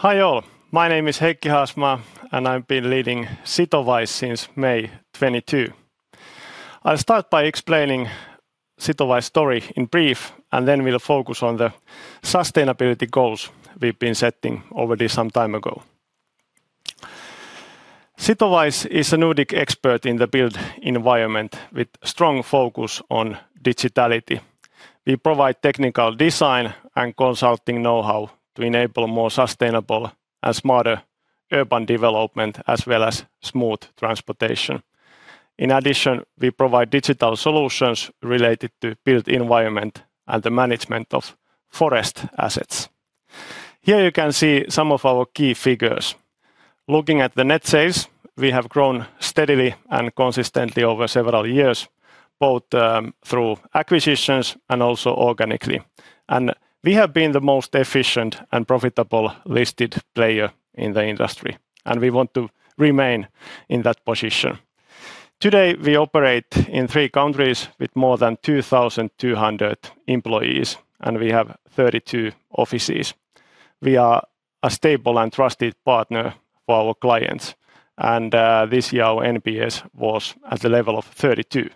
Hi all. My name is Heikki Haasmaa, and I've been leading Sitowise since May 2022. I'll start by explaining Sitowise's story in brief, and then we'll focus on the sustainability goals we've been setting already some time ago. Sitowise is a Nordic expert in the built environment with strong focus on digitality. We provide technical design and consulting knowhow to enable more sustainable and smarter urban development as well as smooth transportation. In addition, we provide digital solutions related to built environment and the management of forest assets. Here you can see some of our key figures. Looking at the net sales, we have grown steadily and consistently over several years, both through acquisitions and also organically. We have been the most efficient and profitable listed player in the industry, and we want to remain in that position. Today, we operate in three countries with more than 2,200 employees, we have 32 offices. We are a stable and trusted partner for our clients. This year our NPS was at the level of 32.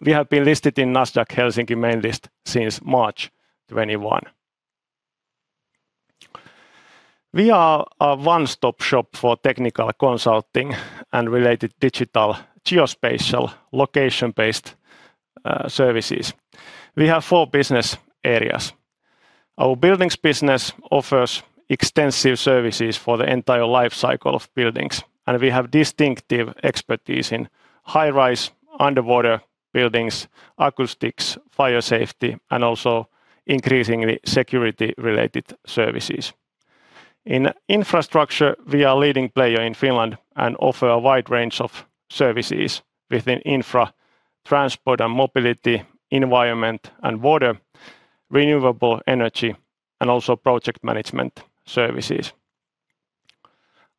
We have been listed in Nasdaq Helsinki main list since March 2021. We are a one-stop shop for technical consulting and related digital geospatial location-based services. We have four business areas. Our buildings business offers extensive services for the entire life cycle of buildings, and we have distinctive expertise in high-rise, underwater buildings, acoustics, fire safety, and also increasingly security-related services. In infrastructure, we are a leading player in Finland and offer a wide range of services within infra, transport and mobility, environment and water, renewable energy, and also project management services.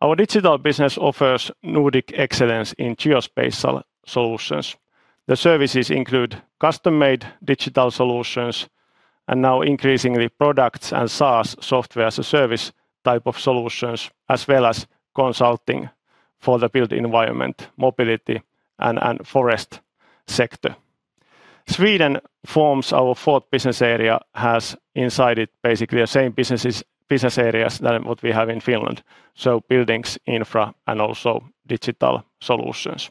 Our digital business offers Nordic excellence in geospatial solutions. The services include custom-made digital solutions and now increasingly products and SaaS, software as a service type of solutions, as well as consulting for the built environment, mobility and forest sector. Sweden forms our fourth business area, has inside it basically the same business areas than what we have in Finland, so buildings, infra, and also digital solutions.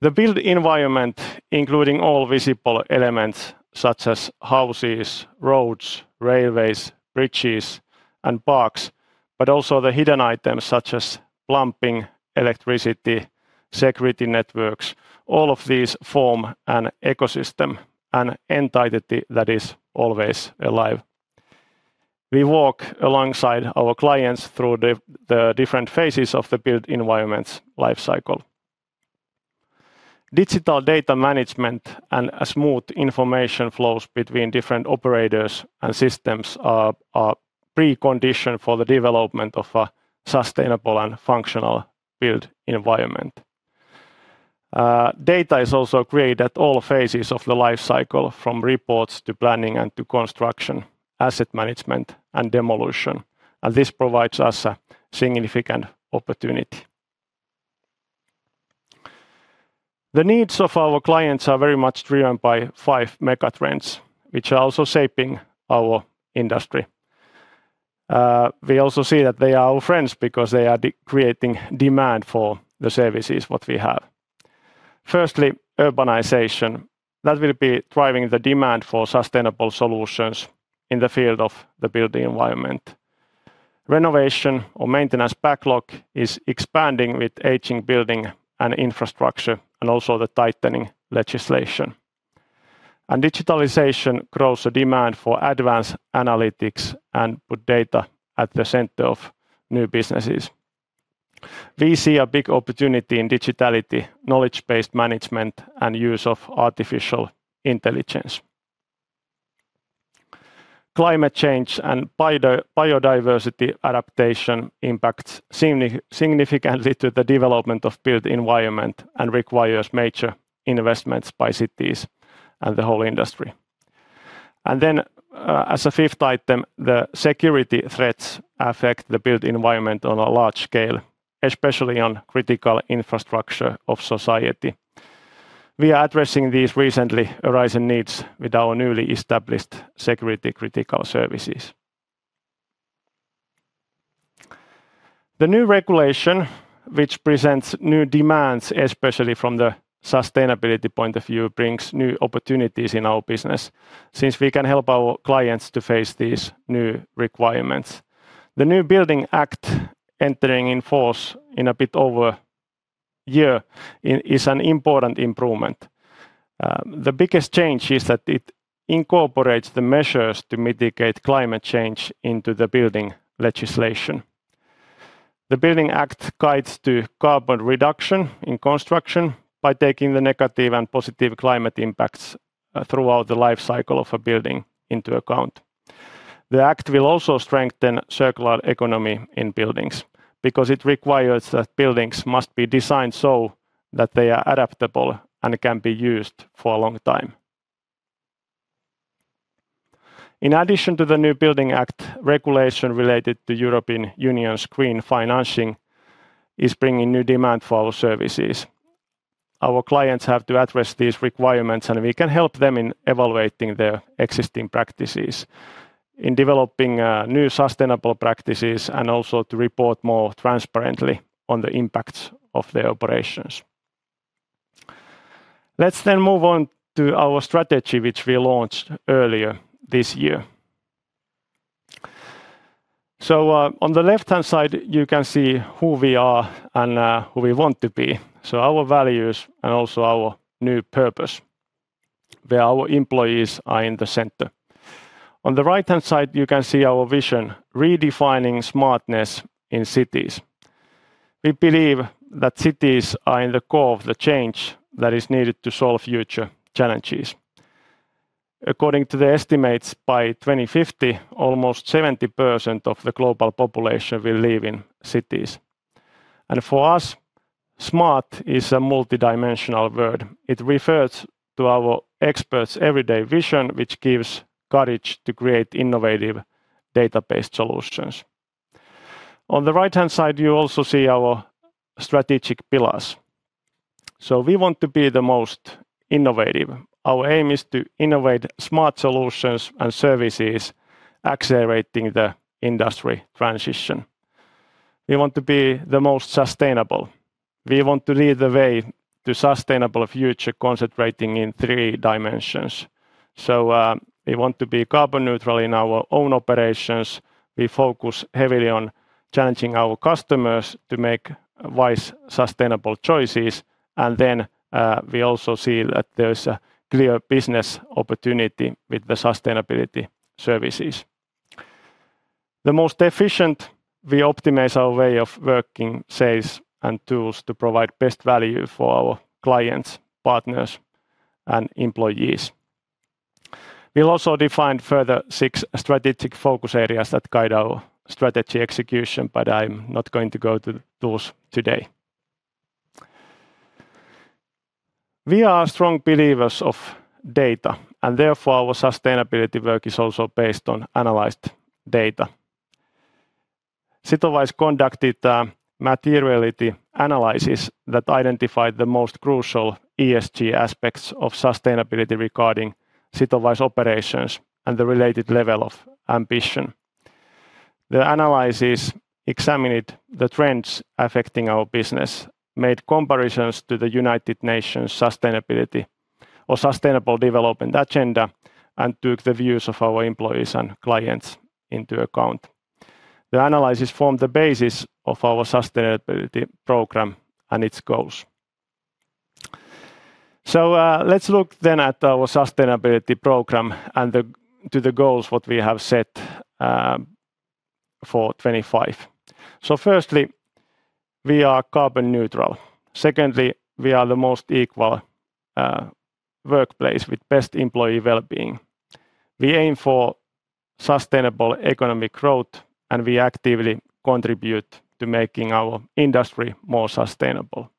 The built environment, including all visible elements such as houses, roads, railways, bridges, and parks, but also the hidden items such as plumbing, electricity, security networks, all of these form an ecosystem, an entity that is always alive. We walk alongside our clients through the different phases of the built environment's life cycle. Digital data management and a smooth information flows between different operators and systems are a precondition for the development of a sustainable and functional built environment. Data is also created at all phases of the life cycle, from reports to planning and to construction, asset management and demolition, this provides us a significant opportunity. The needs of our clients are very much driven by five mega trends, which are also shaping our industry. We also see that they are our friends because they are creating demand for the services what we have. Firstly, urbanization. That will be driving the demand for sustainable solutions in the field of the built environment. Renovation or maintenance backlog is expanding with aging building and infrastructure and also the tightening legislation. Digitalization grows the demand for advanced analytics and put data at the center of new businesses. We see a big opportunity in digitality, knowledge-based management, and use of artificial intelligence. Climate change and biodiversity adaptation impacts significantly to the development of built environment and requires major investments by cities and the whole industry. As a fifth item, the security threats affect the built environment on a large scale, especially on critical infrastructure of society. We are addressing these recently arising needs with our newly established security critical services. The new regulation, which presents new demands, especially from the sustainability point of view, brings new opportunities in our business since we can help our clients to face these new requirements. The new Building Act entering in force in a bit over a year is an important improvement. The biggest change is that it incorporates the measures to mitigate climate change into the building legislation. The Building Act guides to carbon reduction in construction by taking the negative and positive climate impacts throughout the life cycle of a building into account. The act will also strengthen circular economy in buildings because it requires that buildings must be designed so that they are adaptable and can be used for a long time. In addition to the new Building Act regulation related to European Union's green financing is bringing new demand for our services. Our clients have to address these requirements, and we can help them in evaluating their existing practices, in developing new sustainable practices, and also to report more transparently on the impact of their operations. Let's move on to our strategy, which we launched earlier this year. On the left-hand side, you can see who we are and who we want to be. Our values and also our new purpose, where our employees are in the center. On the right-hand side, you can see our vision: redefining smartness in cities. We believe that cities are in the core of the change that is needed to solve future challenges. According to the estimates, by 2050, almost 70% of the global population will live in cities. For us, smart is a multidimensional word. It refers to our experts' everyday vision, which gives courage to create innovative data-based solutions. On the right-hand side, you also see our strategic pillars. We want to be the most innovative. Our aim is to innovate smart solutions and services accelerating the industry transition. We want to be the most sustainable. We want to lead the way to sustainable future concentrating in three dimensions. We want to be carbon neutral in our own operations. We focus heavily on challenging our customers to make wise, sustainable choices. We also see that there's a clear business opportunity with the sustainability services. The most efficient, we optimize our way of working, sales, and tools to provide best value for our clients, partners, and employees. We'll also define further six strategic focus areas that guide our strategy execution, but I'm not going to go to those today. We are strong believers of data, and therefore, our sustainability work is also based on analyzed data. Sitowise conducted a materiality analysis that identified the most crucial ESG aspects of sustainability regarding Sitowise operations and the related level of ambition. The analysis examined the trends affecting our business, made comparisons to the United Nations sustainability or sustainable development agenda, and took the views of our employees and clients into account. The analysis formed the basis of our sustainability program and its goals. Let's look then at our sustainability program and to the goals we have set for 2025. Firstly, we are carbon neutral. Secondly, we are the most equal workplace with the best employee well-being. We aim for sustainable economic growth, and we actively contribute to making our industry more sustainable.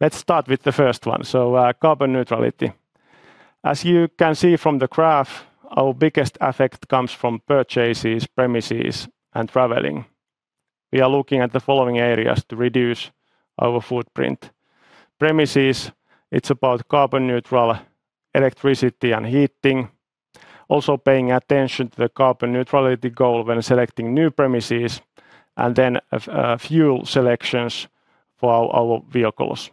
Let's start with the first one, carbon neutrality. As you can see from the graph, our biggest effect comes from purchases, premises, and traveling. We are looking at the following areas to reduce our footprint. Premises, it's about carbon-neutral electricity and heating, also paying attention to the carbon neutrality goal when selecting new premises, and then fuel selections for our vehicles.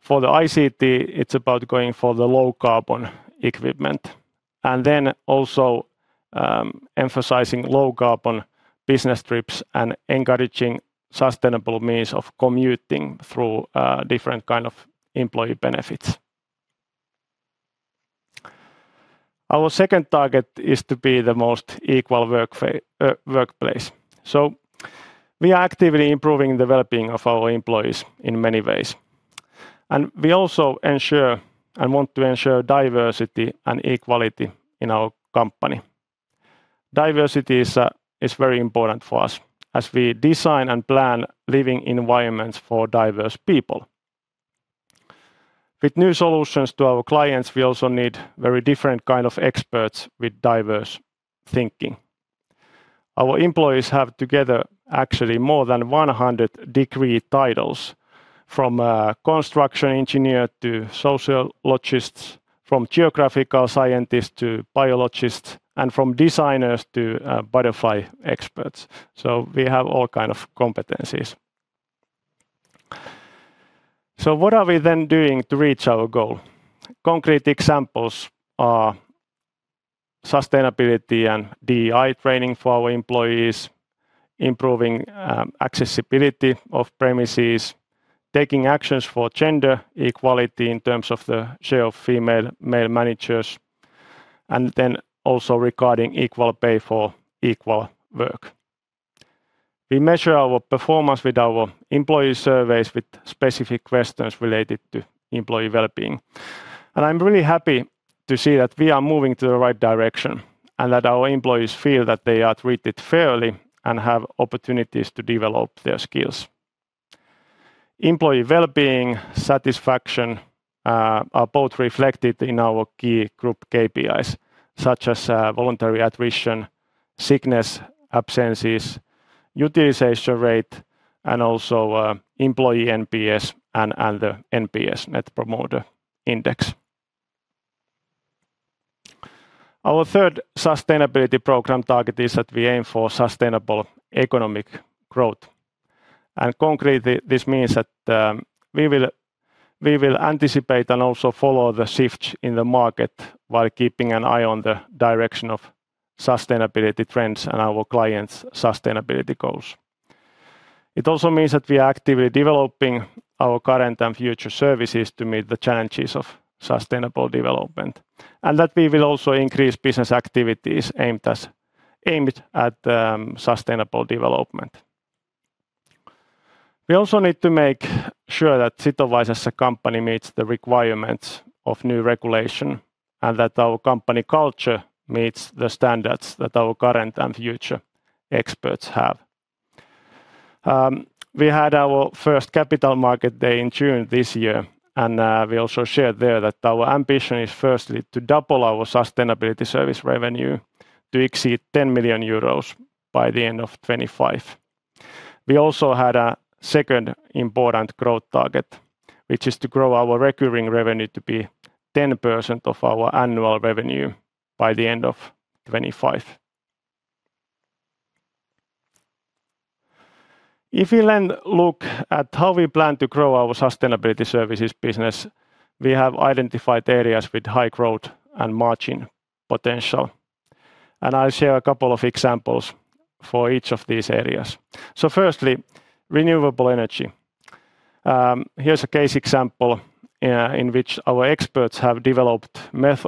For the ICT, it's about going for the low carbon equipment and emphasizing low carbon business trips and encouraging sustainable means of commuting through different kinds of employee benefits. Our second target is to be the most equal workplace. We are actively improving the well-being of our employees in many ways, and we also ensure and want to ensure diversity and equality in our company. Diversity is very important for us as we design and plan living environments for diverse people. With new solutions to our clients, we also need very different kinds of experts with diverse thinking. Our employees have together actually more than 100 degree titles, from construction engineer to sociologists, from geographical scientists to biologists, and from designers to butterfly experts. We have all kinds of competencies. What are we then doing to reach our goal? Concrete examples are sustainability and DEI training for our employees, improving accessibility of premises, taking actions for gender equality in terms of the share of female/male managers, and regarding equal pay for equal work. We measure our performance with our employee surveys with specific questions related to employee well-being. I'm really happy to see that we are moving to the right direction, and that our employees feel that they are treated fairly and have opportunities to develop their skills. Employee well-being, satisfaction are both reflected in our key group KPIs, such as voluntary attrition, sickness, absences, utilization rate, and employee NPS and the NPS net promoter index. Our third sustainability program target is that we aim for sustainable economic growth. Concretely, this means that we will anticipate and follow the shift in the market while keeping an eye on the direction of sustainability trends and our clients' sustainability goals. It also means that we are actively developing our current and future services to meet the challenges of sustainable development, and that we will increase business activities aimed at sustainable development. We need to make sure that Sitowise as a company meets the requirements of new regulation, and that our company culture meets the standards that our current and future experts have. We had our first capital market day in June this year, and we shared there that our ambition is first to double our sustainability service revenue to exceed 10 million euros by the end of 2025. We also had a second important growth target, which is to grow our recurring revenue to be 10% of our annual revenue by the end of 2025. If we then look at how we plan to grow our sustainability services business, we have identified areas with high growth and margin potential. I'll share a couple of examples for each of these areas. Firstly, renewable energy. Here's a case example, in which our experts have developed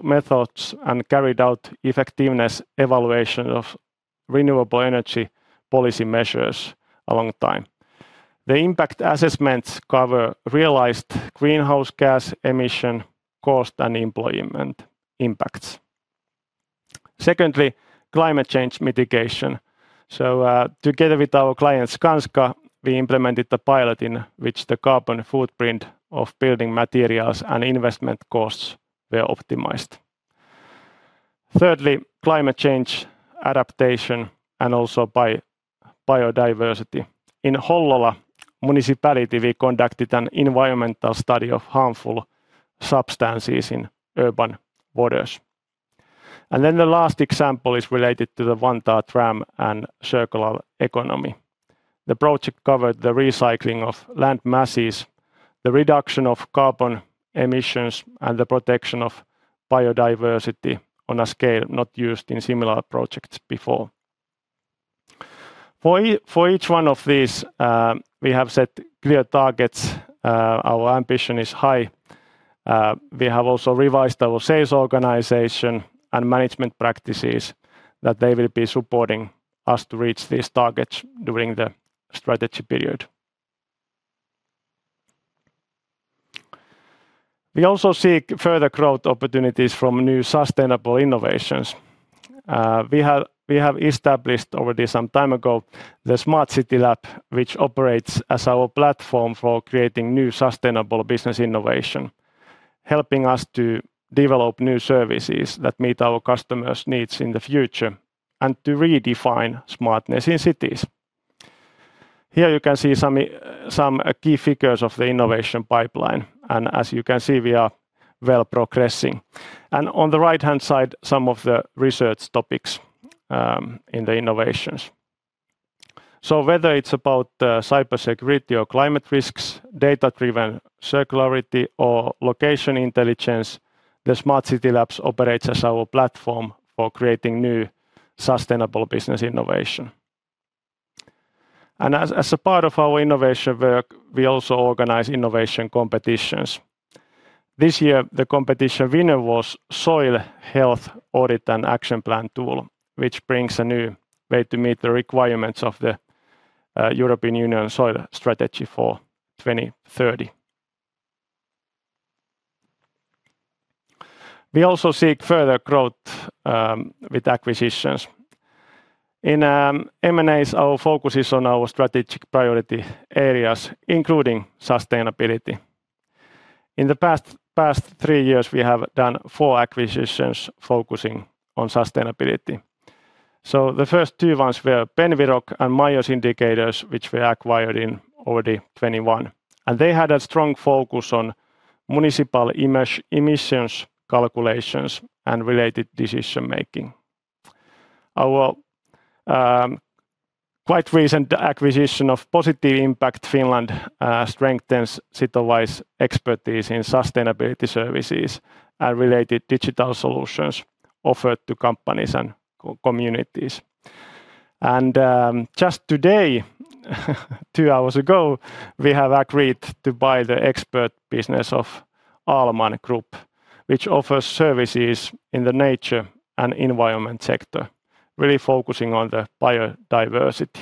methods and carried out effectiveness evaluation of renewable energy policy measures along time. The impact assessments cover realized greenhouse gas emission cost and employment impacts. Secondly, climate change mitigation. Together with our client Skanska, we implemented a pilot in which the carbon footprint of building materials and investment costs were optimized. Thirdly, climate change adaptation, and also biodiversity. In Hollola Municipality, we conducted an environmental study of harmful substances in urban waters. The last example is related to the Vantaa tram and circular economy. The project covered the recycling of land masses, the reduction of carbon emissions, and the protection of biodiversity on a scale not used in similar projects before. For each one of these, we have set clear targets. Our ambition is high. We have also revised our sales organization and management practices that they will be supporting us to reach these targets during the strategy period. We also seek further growth opportunities from new sustainable innovations. We have established already some time ago The Smart City Lab, which operates as our platform for creating new sustainable business innovation, helping us to develop new services that meet our customers' needs in the future and to redefine smartness in cities. Here you can see some key figures of the innovation pipeline. As you can see, we are well progressing. On the right-hand side, some of the research topics in the innovations. Whether it's about cybersecurity or climate risks, data-driven circularity or location intelligence, The Smart City Lab operates as our platform for creating new sustainable business innovation. As a part of our innovation work, we also organize innovation competitions. This year, the competition winner was Soil Health Audit and Action Plan Tool, which brings a new way to meet the requirements of the European Union Soil Strategy for 2030. We also seek further growth with acquisitions. In M&As, our focus is on our strategic priority areas, including sustainability. In the past three years, we have done four acquisitions focusing on sustainability. The first two ones were Benviroc and MSDI Oy, which we acquired in already 2021. They had a strong focus on municipal emissions calculations and related decision-making. Our quite recent acquisition of Positive Impact Finland strengthens Sitowise expertise in sustainability services and related digital solutions offered to companies and communities. Just today, two hours ago, we have agreed to buy the expert business of Ahlman Group, which offers services in the nature and environment sector, really focusing on the biodiversity.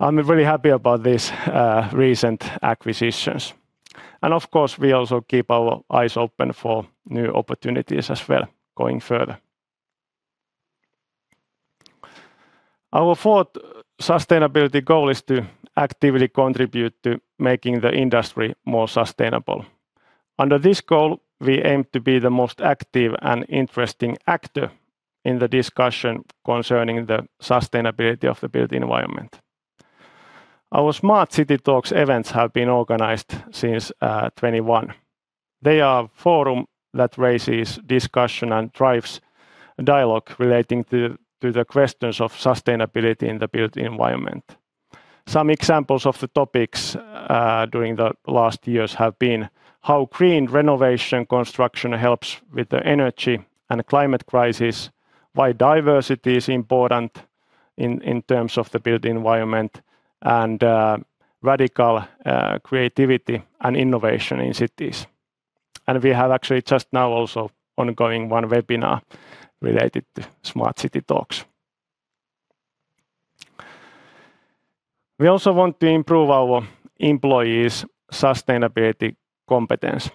I'm really happy about these recent acquisitions. Of course, we also keep our eyes open for new opportunities as well going further. Our fourth sustainability goal is to actively contribute to making the industry more sustainable. Under this goal, we aim to be the most active and interesting actor in the discussion concerning the sustainability of the built environment. Our The Smart City Talks events have been organized since 2021. They are a forum that raises discussion and drives dialogue relating to the questions of sustainability in the built environment. Some examples of the topics during the last years have been how green renovation construction helps with the energy and climate crisis, why diversity is important in terms of the built environment, and radical creativity and innovation in cities. We have actually just now also ongoing one webinar related to The Smart City Talks. We also want to improve our employees' sustainability competence.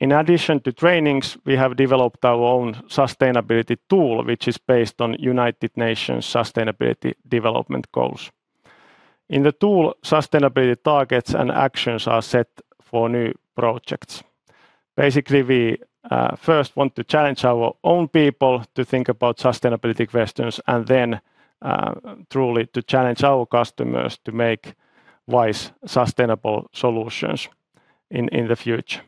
In addition to trainings, we have developed our own sustainability tool, which is based on United Nations' Sustainability Development Goals. In the tool, sustainability targets and actions are set for new projects. Basically, we first want to challenge our own people to think about sustainability questions and then truly to challenge our customers to make wise, sustainable solutions in the future.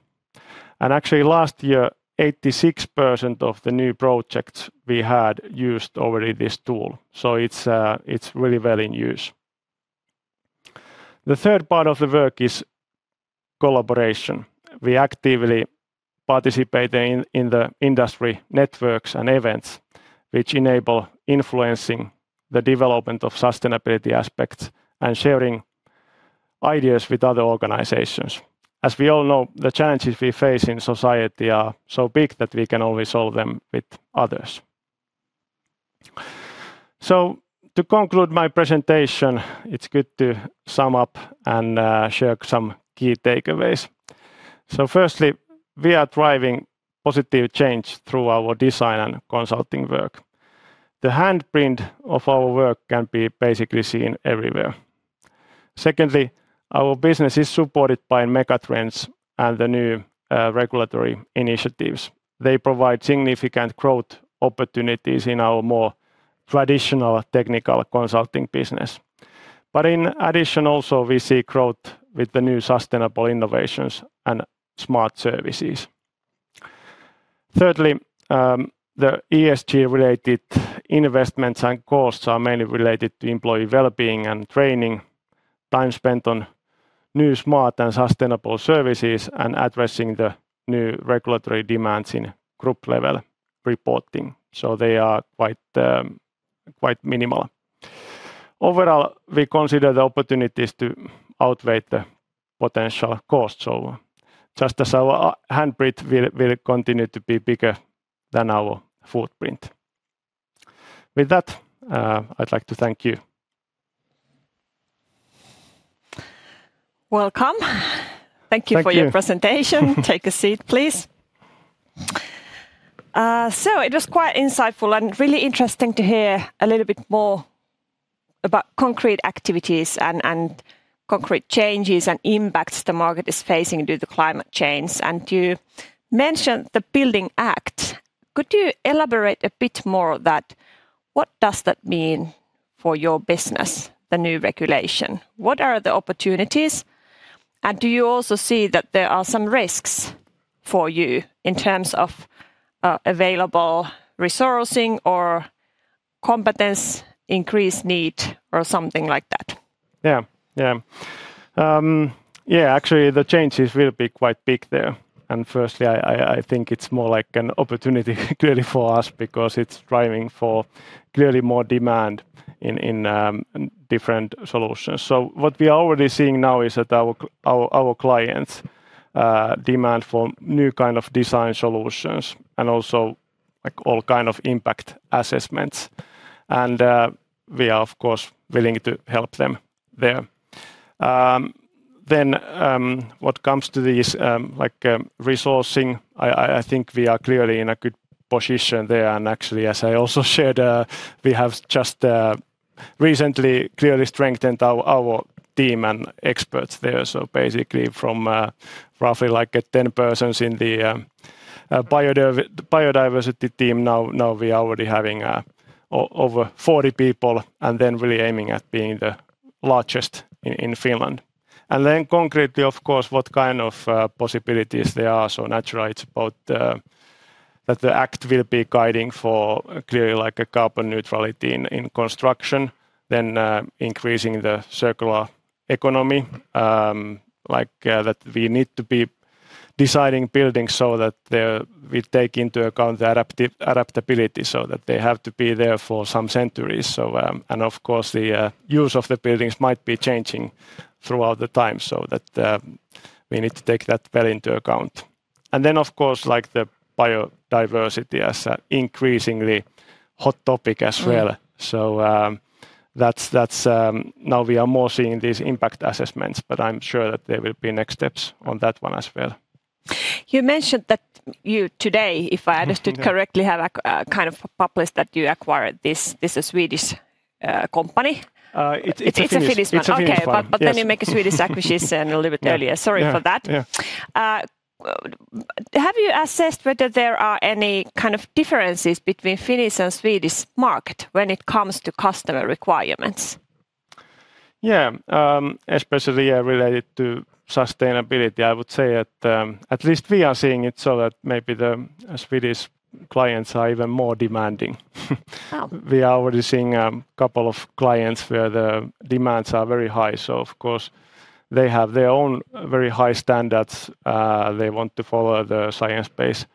Actually, last year, 86% of the new projects we had used already this tool, so it's really well in use. The third part of the work is collaboration. We actively participate in the industry networks and events, which enable influencing the development of sustainability aspects and sharing ideas with other organizations. As we all know, the challenges we face in society are so big that we can only solve them with others. To conclude my presentation, it's good to sum up and share some key takeaways. Firstly, we are driving positive change through our design and consulting work. The handprint of our work can be basically seen everywhere. Secondly, our business is supported by megatrends and the new regulatory initiatives. They provide significant growth opportunities in our more traditional technical consulting business. In addition, also, we see growth with the new sustainable innovations and smart services. Thirdly, the ESG-related investments and costs are mainly related to employee wellbeing and training, time spent on new smart and sustainable services, and addressing the new regulatory demands in group level reporting. They are quite minimal. Overall, we consider the opportunities to outweigh the potential cost. Just as our handprint will continue to be bigger than our footprint. With that, I'd like to thank you. Welcome. Thank you. Thank you For your presentation. Take a seat, please. It was quite insightful and really interesting to hear a little bit more about concrete activities and concrete changes and impacts the market is facing due to climate change. You mentioned the Building Act. Could you elaborate a bit more that what does that mean for your business, the new regulation? What are the opportunities, do you also see that there are some risks for you in terms of available resourcing or competence, increased need or something like that? Yeah. Actually, the changes will be quite big there. Firstly, I think it's more like an opportunity clearly for us because it's driving for clearly more demand in different solutions. What we are already seeing now is that our clients' demand for new kind of design solutions and also all kind of impact assessments, and we are, of course, willing to help them there. What comes to these resourcing, I think we are clearly in a good position there. Actually, as I also shared, we have just recently clearly strengthened our team and experts there. Basically from roughly 10 persons in the biodiversity team, now we are already having over 40 people and really aiming at being the largest in Finland. Concretely, of course, what kind of possibilities there are. Naturally, it's about that the act will be guiding for clearly a carbon neutrality in construction, increasing the circular economy, that we need to be deciding buildings so that we take into account the adaptability, so that they have to be there for some centuries. Of course, the use of the buildings might be changing throughout the time, so that we need to take that very into account. Then, of course, the biodiversity as an increasingly hot topic as well. Now we are more seeing these impact assessments, I'm sure that there will be next steps on that one as well. You mentioned that you today, if I understood correctly, have published that you acquired this Swedish company. It's a Finnish one. It's a Finnish one. Okay. You make a Swedish acquisition a little bit earlier. Sorry for that. Yeah. Have you assessed whether there are any kind of differences between Finnish and Swedish market when it comes to customer requirements? Especially related to sustainability, I would say that at least we are seeing it so that maybe the Swedish clients are even more demanding. Wow. We are already seeing a couple of clients where the demands are very high. Of course, they have their own very high standards. They want to follow the Science Based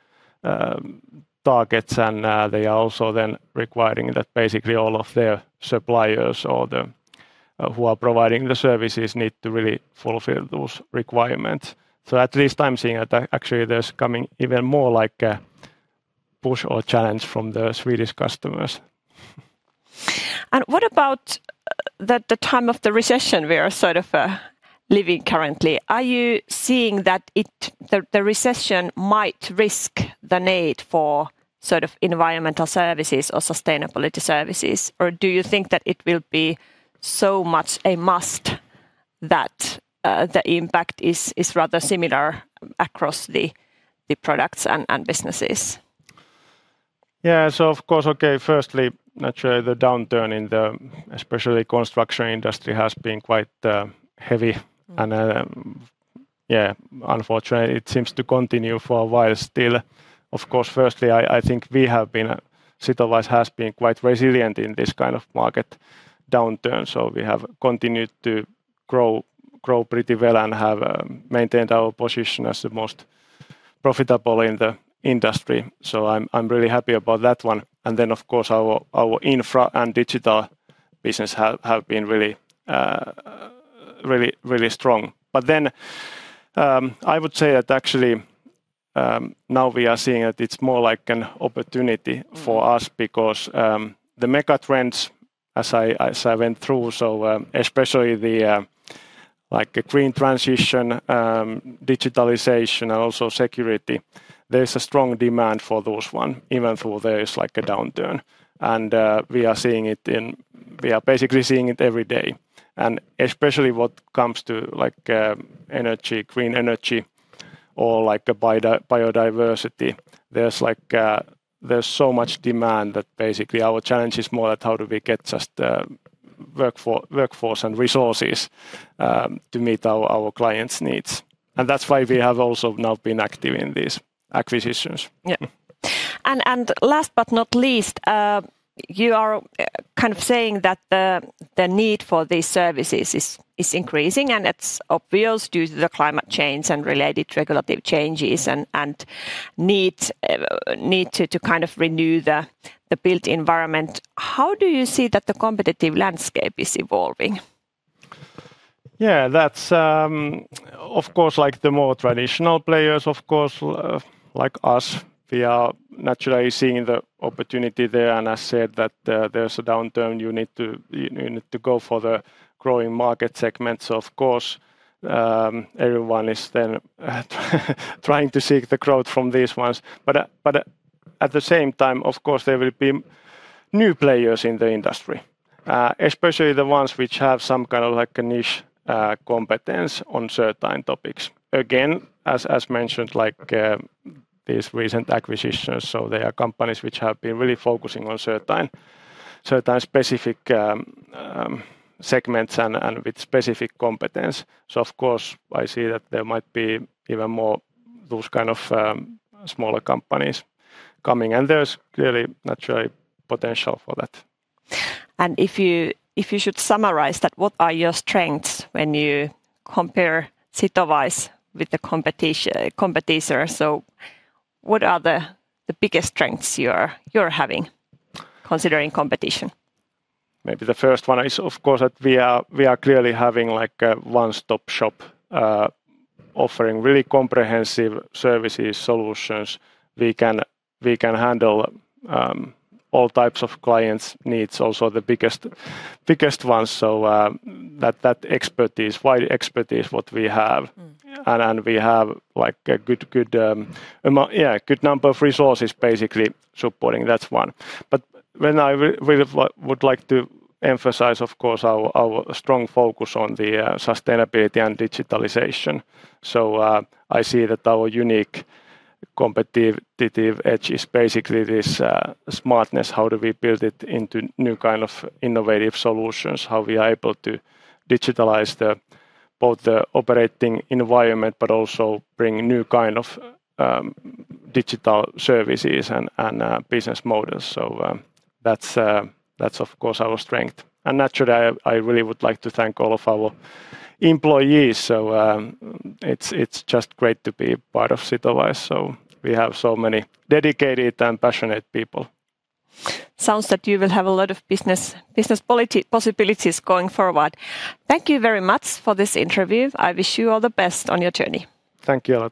Targets, and they are also then requiring that basically all of their suppliers or who are providing the services need to really fulfill those requirements. At this time, seeing that actually there's coming even more like a push or challenge from the Swedish customers. What about the time of the recession we are sort of living currently? Are you seeing that the recession might risk the need for environmental services or sustainability services? Do you think that it will be so much a must that the impact is rather similar across the products and businesses? Of course, okay, firstly, naturally, the downturn in the especially construction industry has been quite heavy, and unfortunately, it seems to continue for a while still. Of course, firstly, I think Sitowise has been quite resilient in this kind of market downturn. We have continued to grow pretty well and have maintained our position as the most profitable in the industry. I'm really happy about that one. Then, of course, our infra and digital business have been really strong. I would say that actually, now we are seeing that it's more like an opportunity for us because the mega trends, as I went through, especially the green transition, digitalization and also security, there is a strong demand for those one, even though there is a downturn. We are basically seeing it every day. What comes to green energy or biodiversity, there's so much demand that basically our challenge is more that how do we get just the workforce and resources to meet our clients' needs. That's why we have also now been active in these acquisitions. Yeah. Last but not least, you are kind of saying that the need for these services is increasing, and it's obvious due to the climate change and related regulatory changes and need to kind of renew the built environment. How do you see that the competitive landscape is evolving? Yeah. The more traditional players, of course, like us, we are naturally seeing the opportunity there, and as I said that there's a downturn, you need to go for the growing market segments. Of course, everyone is then trying to seek the growth from these ones. At the same time, of course, there will be new players in the industry, especially the ones which have some kind of niche competence on certain topics. Again, as mentioned, like these recent acquisitions. They are companies which have been really focusing on certain specific segments and with specific competence. Of course, I see that there might be even more those kind of smaller companies coming. There's clearly naturally potential for that. If you should summarize that, what are your strengths when you compare Sitowise with the competitors? What are the biggest strengths you're having considering competition? Maybe the first one is, of course, that we are clearly having a one-stop shop, offering really comprehensive services, solutions. We can handle all types of clients' needs, also the biggest ones. That expertise, wide expertise, what we have. We have a good number of resources basically supporting that one. I really would like to emphasize, of course, our strong focus on the sustainability and digitalization. I see that our unique competitive edge is basically this smartness. How do we build it into new kind of innovative solutions? How we are able to digitalize both the operating environment but also bring new kind of digital services and business models. That's, of course, our strength. Naturally, I really would like to thank all of our employees. It's just great to be part of Sitowise. We have so many dedicated and passionate people. Sounds that you will have a lot of business possibilities going forward. Thank you very much for this interview. I wish you all the best on your journey. Thank you, Lotta.